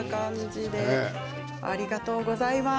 ありがとうございます。